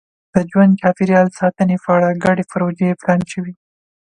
د ژوند چاپېریال ساتنې په اړه ګډې پروژې پلان شوي.